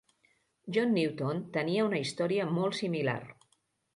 John Newton tenia una història molt similar.